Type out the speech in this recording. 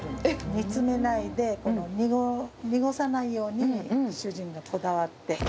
煮詰めないで、濁さないように、主人がこだわって。